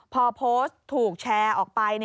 พอโพสต์ถูกแชร์ออกไป